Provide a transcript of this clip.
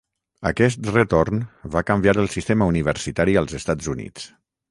Aquest retorn va canviar el sistema universitari als Estats Units.